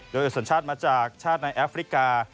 โดยสัญชาติมาจากชาติในแอฟริกา